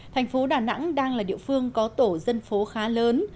thành phố đà nẵng đang là địa phương có tổ dân phố khá lớn